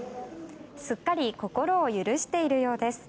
すっかり心を許しているようです。